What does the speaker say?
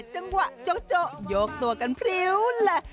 จังหวะโจ๊ยกตัวกันพริ้วเลย